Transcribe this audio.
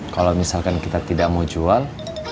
kalau misalkan kita tidak mau jual